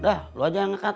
udah lo aja yang angkat